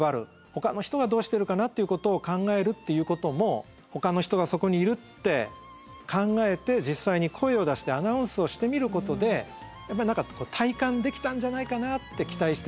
ほかの人はどうしてるかなということを考えるっていうこともほかの人がそこにいるって考えて実際に声を出してアナウンスをしてみることで何か体感できたんじゃないかなって期待してるんです。